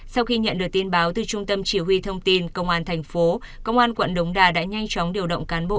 sau khi nhận được tin báo từ trung tâm chỉ huy thông tin công an thành phố công an quận đống đà đã nhanh chóng điều động cán bộ